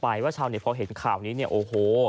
ว่าชาวเน็ตพอเห็นข่าวนี้เนี่ยโอ้โห